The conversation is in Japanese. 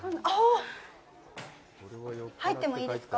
入ってもいいですか？